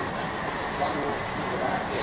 สวัสดีครับ